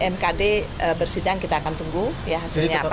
mkd bersidang kita akan tunggu ya hasilnya apa